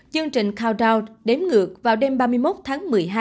chương trình countdownd đếm ngược vào đêm ba mươi một tháng một mươi hai